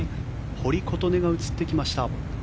堀琴音が映ってきました。